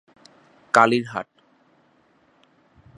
কালির হাট